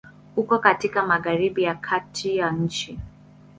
Uko katika Magharibi ya Kati ya nchi.